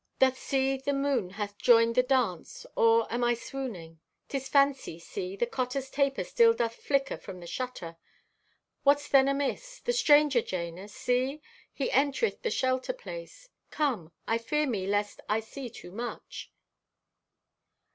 Doth see the moon hath joined the dance? Or, am I swooning? 'Tis fancy. See, the cotter's taper still doth flicker from the shutter. What's then amiss? The stranger, Jana! See! He entereth the shelter place! Come, I fear me lest I see too much?